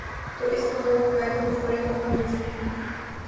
تو اس کے دو فوائد ان کو فوری طور پر مل سکتے ہیں۔